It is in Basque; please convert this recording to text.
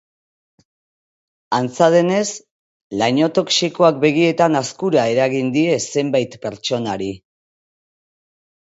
Antza denez, laino toxikoak begietan azkura eragin die zenbait pertsonari.